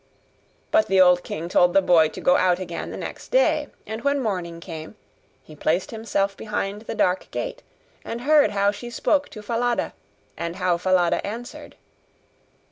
But the old king told the boy to go out again the next day: and when morning came, he placed himself behind the dark gate, and heard how she spoke to Falada, and how Falada answered.